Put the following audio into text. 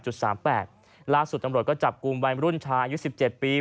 จำปาสูตรก็จับกรุงวัยรุ่นชายุ๑๗ปี